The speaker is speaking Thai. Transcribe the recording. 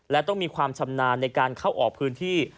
และต้องมีความชำนาญในการเข้าออกพื้นที่